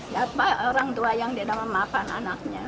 lihat pak orang tua yang dia nama maafkan anaknya